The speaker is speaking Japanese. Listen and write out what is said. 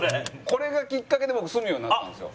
これがきっかけで僕住むようになったんですよ。